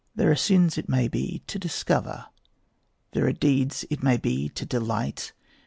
There are sins it may be to discover, There are deeds it may be to delight.